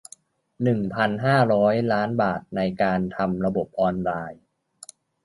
หนึ่งพันห้าร้อย ล้านบาทในการทำระบบออนไลน์